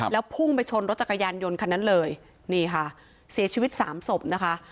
แล้วพุ่งไปชนรถจักรยานยนต์คันนั้นเลยนี่ค่ะเสียชีวิตสามศพนะคะ